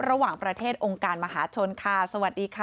ระหว่างประเทศองค์การมหาชนค่ะสวัสดีค่ะ